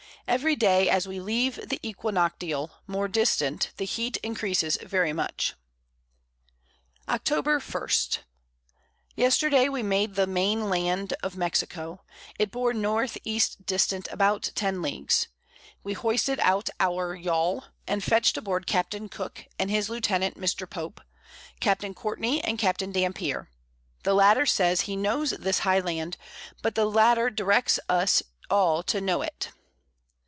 Every Day as we leave the Equinoctial more distant the Heat encreases very much. [Sidenote: Arrival at the Island Tres Marias.] October 1. Yesterday we made the main Land of Mexico; it bore N. E. distant about 10 Leagues. We hoisted out our Yawl, and fetch'd aboard Capt. Cooke, and his Lieutenant Mr. Pope, Capt. Courtney and Capt. Dampier; the latter says he knows this high Land; but the Latt. directs us all to know it.